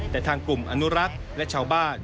แต่ทางกลุ่มอนุรักษ์และชาวบ้าน